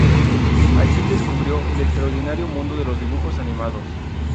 Allí descubrió el extraordinario mundo de los dibujos animados.